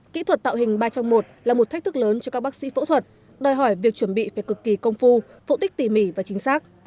kỹ thuật tạo hình ba trong một là một thách thức lớn cho các bác sĩ phẫu thuật đòi hỏi việc chuẩn bị phải cực kỳ công phu phẫu tích tỉ mỉ và chính xác